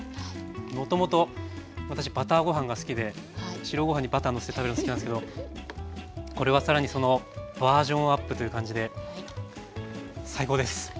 もともと私バターご飯が好きで白ご飯にバターのせて食べるの好きなんですけどこれは更にそのバージョンアップという感じで最高です。